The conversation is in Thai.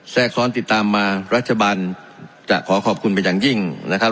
แทรกซ้อนติดตามมารัฐบาลจะขอขอบคุณเป็นอย่างยิ่งนะครับ